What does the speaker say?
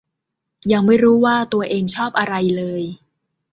ยังไม่รู้ว่าตัวเองชอบอะไรเลย